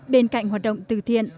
bên cạnh hoạt động từ thiện